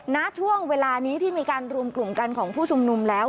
ณช่วงเวลานี้ที่มีการรวมกลุ่มกันของผู้ชุมนุมแล้ว